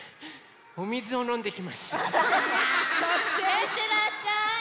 いってらっしゃい。